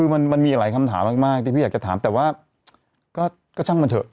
คือมันมีหลายคำถามมากที่พี่อยากจะถามแต่ว่าก็ช่างมันเถอะ